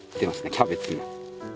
キャベツが。